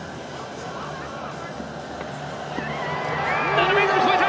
７ｍ超えた！